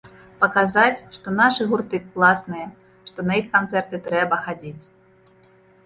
Паказаць, што нашы гурты класныя, што на іх канцэрты трэба хадзіць.